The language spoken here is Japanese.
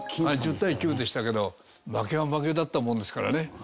１０対９でしたけど負けは負けだったものですからね。